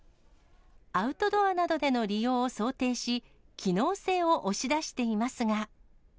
アウトドアなどでの利用を想定し、機能性を押し出していますが。